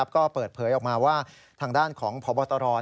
ก็เปิดเผยออกมาว่าทางด้านของพบตร